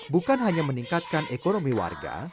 bukan hanya meningkatkan ekonomi warga